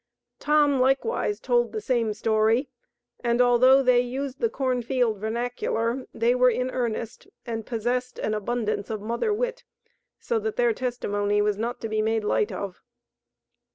Tom, likewise, told the same story, and although they used the corn field vernacular, they were in earnest and possessed an abundance of mother wit, so that their testimony was not to be made light of.